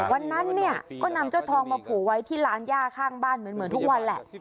วันนั้นเนี่ยก็นำเจ้าทองมาผูไว้ที่ร้านย่าข้างบ้านเหมือนทุกวันแหละ